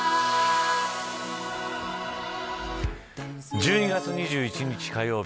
１２月２１日火曜日